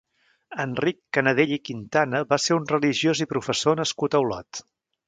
Enric Canadell i Quintana va ser un religiós i professor nascut a Olot.